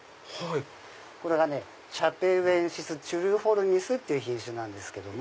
これがチャペウエンシスチュリフォルミスっていう品種なんですけども。